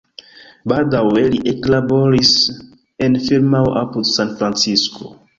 Baldaŭe li eklaboris en firmao apud San Francisco.